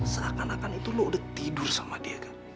seakan akan itu lo udah tidur sama dia kan